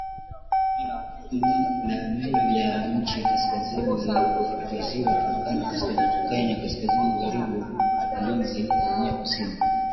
la Nile ya chini kaskazini kwa Ziwa Turkana Kenya kaskazini magharibiWalianza kuhamia kusini